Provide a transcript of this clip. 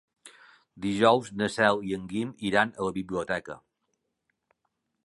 Dijous na Cel i en Guim iran a la biblioteca.